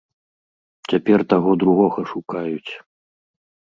Цяпер таго другога шукаюць.